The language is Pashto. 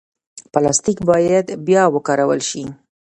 پلاستيک باید بیا وکارول شي.